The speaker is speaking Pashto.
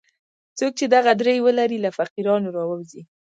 څوک چې دغه درې ولري له فقیرانو راووځي.